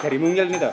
dari mungil ini tuh